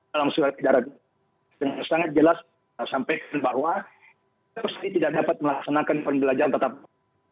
dalam surat darat sangat jelas sampaikan bahwa kita pasti tidak dapat melaksanakan pembelajaran tatap muka